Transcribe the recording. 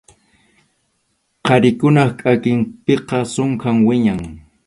Qharikunap kʼakinpiqa sunkham wiñan.